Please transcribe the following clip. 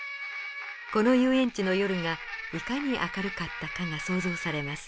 この遊園地の夜がいかに明るかったかが想像されます。